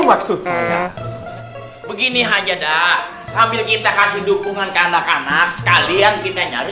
fokusnya begini hanya dah sambil kita kasih dukungan ke anak anak sekalian kita nyari